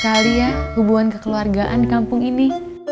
kenali ya hubungan kekeluargaan di kampung ini